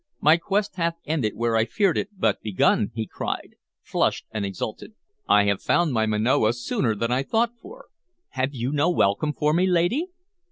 "My quest hath ended where I feared it but begun!" he cried, flushed and exultant. "I have found my Manoa sooner than I thought for. Have you no welcome for me, lady?"